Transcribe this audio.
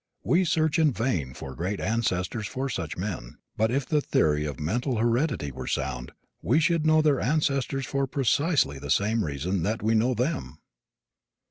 We search in vain for great ancestors for such men; but if the theory of mental heredity were sound we should know their ancestors for precisely the same reason that we know them.